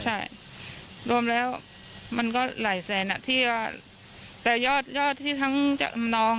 ใช่รวมแล้วมันก็หลายแสนอ่ะที่ว่าแต่ยอดยอดที่ทั้งจำนอง